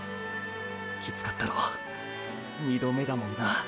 きつかったろ２度目だもんな。